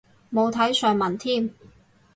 冇睇上文添